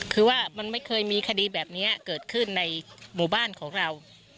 คือว่ามันไม่เคยมีคดีแบบนี้เกิดขึ้นในหมู่บ้านของเรา